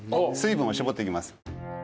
水分を絞っていきます。